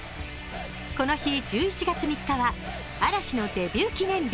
この日、１１月３日は嵐のデビュー記念日。